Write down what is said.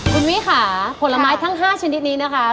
คุณมี่ค่ะผลไม้ทั้ง๕ชนิดนี้นะคะ